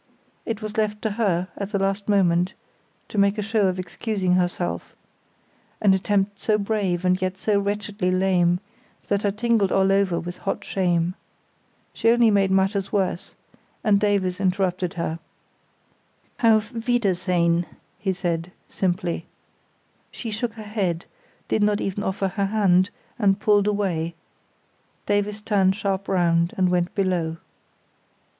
It was left to her, at the last moment, to make a show of excusing herself, an attempt so brave and yet so wretchedly lame that I tingled all over with hot shame. She only made matters worse, and Davies interrupted her. "Auf Wiedersehen," he said, simply. She shook her head, did not even offer her hand, and pulled away; Davies turned sharp round and went below.